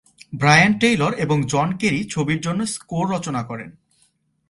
Brian Taylor এবং John Carey ছবির জন্য স্কোর রচনা করেন।